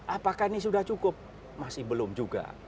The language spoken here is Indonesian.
apakah ini sudah cukup masih belum juga